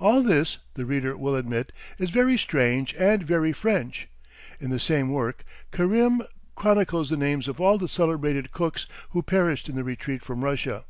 All this, the reader will admit, is very strange and very French. In the same work, Carème chronicles the names of all the celebrated cooks who perished in the retreat from Russia.